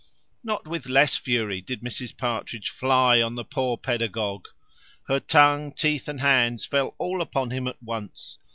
Not with less fury did Mrs Partridge fly on the poor pedagogue. Her tongue, teeth, and hands, fell all upon him at once.